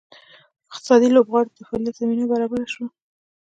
اقتصادي لوبغاړو ته د فعالیت زمینه برابره شوه.